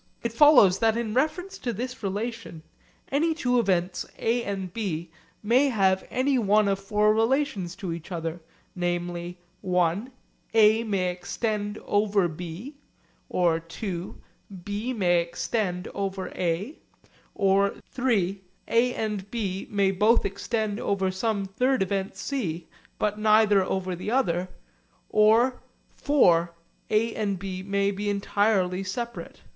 It follows that in reference to this relation any two events A and B may have any one of four relations to each other, namely (i) A may extend over B, or (ii) B may extend over A, or (iii) A and B may both extend over some third event C, but neither over the other, or (iv) A and B may be entirely separate.